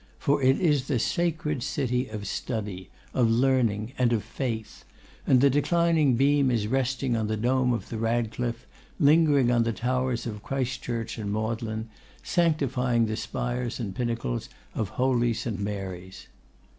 For it is the sacred city of study, of learning, and of faith; and the declining beam is resting on the dome of the Radcliffe, lingering on the towers of Christchurch and Magdalen, sanctifying the spires and pinnacles of holy St. Mary's.